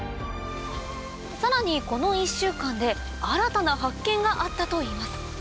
さらにこの１週間で新たな発見があったといいます